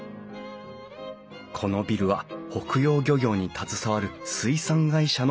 このビルは北洋漁業に携わる水産会社の社屋として建てられた。